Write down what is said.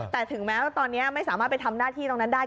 แต่ถึงแม้ว่าตอนนี้ไม่สามารถไปทำหน้าที่ตรงนั้นได้